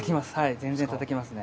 全然叩きますね。